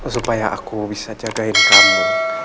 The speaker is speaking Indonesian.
supaya aku bisa jagain kamu